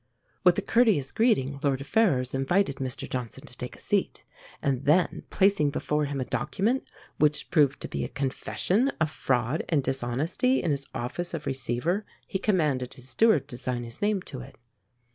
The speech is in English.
With a courteous greeting Lord Ferrers invited Mr Johnson to take a seat; and then, placing before him a document, which proved to be a confession of fraud and dishonesty in his office of receiver, he commanded his steward to sign his name to it.